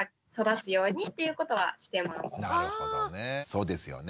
そうですよね。